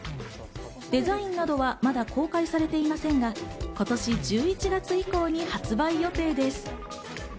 デザインなどはまだ公開されていませんが今年１１月以降に発売予定です。